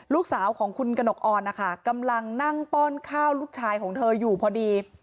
ลูกสาวของคุณกระหนกออนนะคะกำลังนั่งป้อนข้าวลูกชายของเธออยู่พอดี